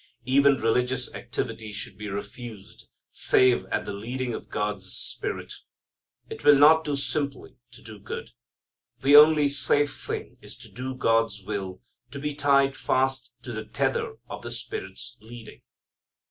Even religious activity should be refused save at the leading of God's Spirit. It will not do simply to do good. The only safe thing is to do God's will, to be tied fast to the tether of the Spirit's leading.